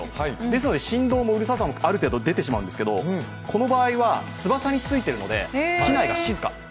ですので、振動もうるささもある程度出てしまうんですけど、この場合は、翼についているので機内が静か。